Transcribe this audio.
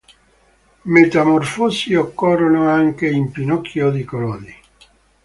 Metamorfosi occorrono anche in "Pinocchio" di Collodi.